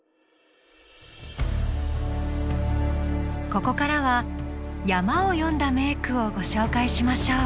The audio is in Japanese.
ここからは山を詠んだ名句をご紹介しましょう。